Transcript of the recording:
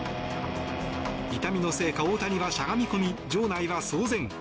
痛みのせいか大谷はしゃがみ込み場内は騒然。